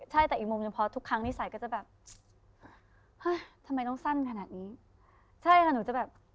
ใช่แต่อีกมุมเฉพาะทุกครั้งที่ใส่ก็จะแบบ